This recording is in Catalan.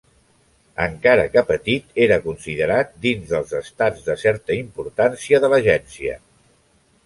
Encara que petit era considerat dins dels estats de certa importància de l'agència.